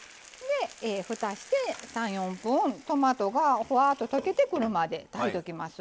ふたして３４分トマトがほわっと溶けてくるまで炊いときます。